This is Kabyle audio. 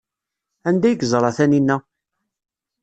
Anda ay yeẓra Taninna?